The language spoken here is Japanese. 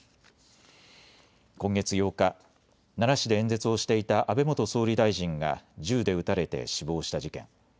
今月８日、奈良市で演説をしていた安倍元総理大臣が銃で撃たれて死亡した事件。